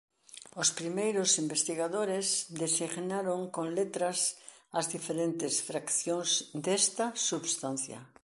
Os primeiros investigadores designaron con letras as diferentes fraccións desta substancia.